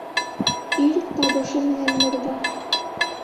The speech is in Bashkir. Ир табышы менән мырҙа.